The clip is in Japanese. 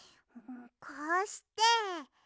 こうして。